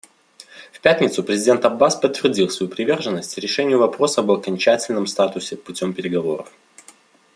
В пятницу президент Аббас подтвердил свою приверженность решению вопроса об окончательном статусе путем переговоров.